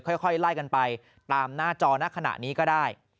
ค่อยไล่กันไปตามหน้าจอหน้าขณะนี้ก็ได้